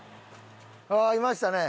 ああいましたね。